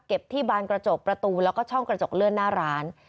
ที่บานกระจกประตูแล้วก็ช่องกระจกเลื่อนหน้าร้าน